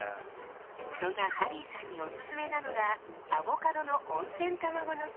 そんなハリーさんにおすすめなのがアボカドの温泉卵のせ。